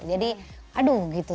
jadi aduh gitu